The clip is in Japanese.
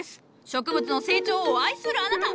植物の成長を愛するあなた！